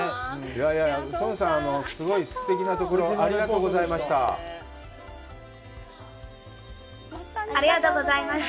孫さん、すごいすてきなところ、ありがとうございました。